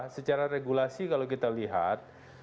secara regulasi kalau kita lihat